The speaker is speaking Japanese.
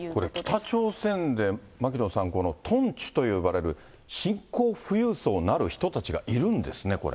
北朝鮮で牧野さん、トンチュといわれる新興富裕層なる人たちがいるんですね、これ。